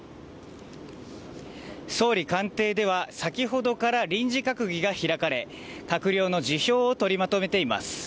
総理官邸では先ほどから臨時閣議が開かれ閣僚の辞表を取りまとめています。